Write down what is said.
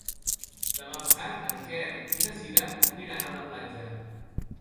Demà passat en Quer i na Cira aniran a la platja.